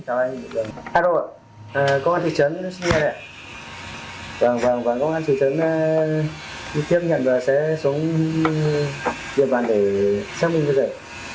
chào anh hello ạ công an thị trấn xin nghe nè và công an thị trấn tiếp nhận và sẽ xuống điện thoại để xác minh cho rời